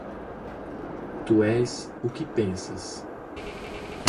Tu és o que pensas!